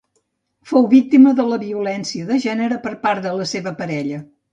Fou víctima de la violència de gènere per part de la seva parella.